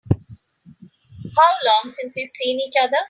How long since we've seen each other?